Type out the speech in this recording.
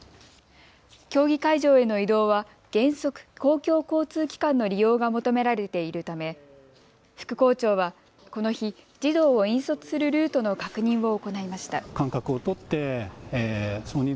競技会場への移動は原則、公共交通機関の利用が求められているため副校長はこの日、児童を引率するルートの確認を行いました。